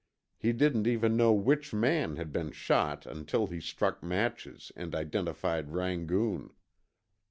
He didn't even know which man had been shot until he struck matches and identified Rangoon.